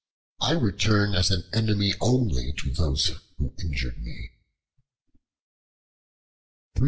I return as an enemy only to those who injured me."